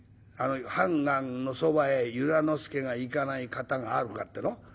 判官のそばへ由良之助が行かない型があるかってえの？